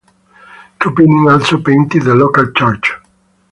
Tropinin also painted the local church.